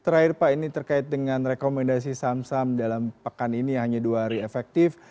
terakhir pak ini terkait dengan rekomendasi saham saham dalam pekan ini hanya dua hari efektif